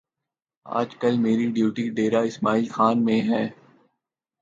آج کل میری ڈیوٹی ڈیرہ اسماعیل خان میں ہے